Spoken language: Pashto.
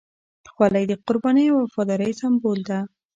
خولۍ د قربانۍ او وفادارۍ سمبول ده.